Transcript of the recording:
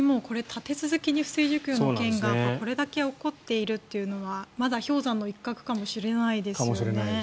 立て続けに不正受給の件がこれだけ起こっているというのはまだ氷山の一角かもしれないですよね。